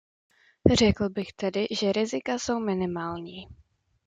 Řekl bych tedy, že rizika jsou minimální.